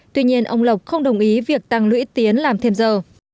tuy nhiên ông lộc không đồng ý việc tăng lũy tiến làm thêm giờ